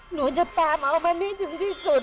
หนูจะตามเอามันให้ถึงที่สุด